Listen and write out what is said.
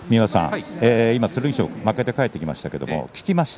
剣翔が負けて帰ってきましたけれども、聞きました。